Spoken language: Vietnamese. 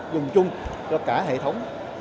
dùng chung cho cả hệ thống